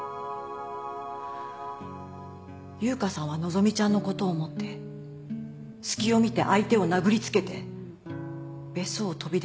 優香さんは希美ちゃんのことを思って隙を見て相手を殴りつけて別荘を飛び出たそうです。